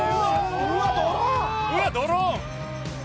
うわドローン！